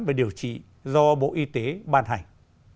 và điều trị do bộ y tế ban hành